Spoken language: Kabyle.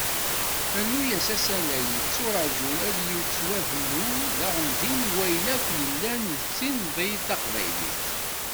Rnu-as asalay i yetturaǧun ad yettwabnu daɣen din i wayen akk yellan d tinḍi taqbaylit.